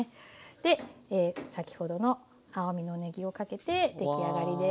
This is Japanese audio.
で先ほどの青みのねぎをかけて出来上がりです。